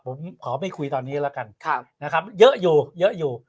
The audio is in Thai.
ผมขอไม่คุยตอนนี้แล้วกันนะครับเยอะอยู่เยอะอยู่